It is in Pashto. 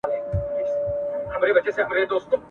ویښیږي به یو وخت چي اسرافیل وي ستړی سوی !.